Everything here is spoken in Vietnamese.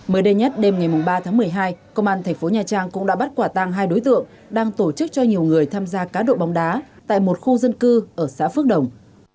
mới đây nhất đêm ngày ba tháng một mươi hai công an thành phố nha trang cũng đã bắt quả tăng hai đối tượng đang tổ chức cho nhiều người tham gia cá độ bóng đá tại một khu dân cư ở xã phước đồng